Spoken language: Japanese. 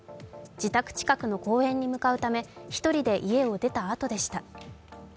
自宅近くの公園に向かうため１人で家を出たあとでした。